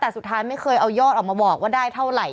แต่สุดท้ายไม่เคยเอายอดออกมาบอกว่าได้เท่าไหร่